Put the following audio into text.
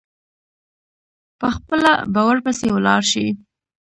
پخپله به ورپسي ولاړ شي.